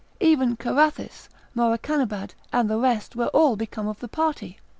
Even Carathis, Morakanabad, and the rest were all become of the party.